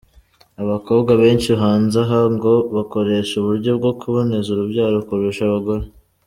Abakobwa benshi hanze aha ngo bakoresha uburyo bwo kuboneza urubyaro kurusha abagore.